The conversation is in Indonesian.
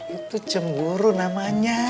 itu cemburu namanya